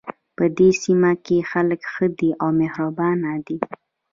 په دې سیمه کې خلک ښه دي او مهربانه دي